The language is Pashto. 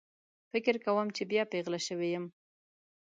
فکر کوم چې بیا پیغله شوې یم